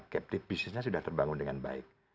karena ketika bisnisnya sudah terbangun dengan baik